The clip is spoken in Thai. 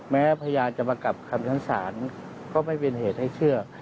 แม้พยานจะมากลับคำชั้นศาลก็ไม่เป็นเหตุให้เชื่อ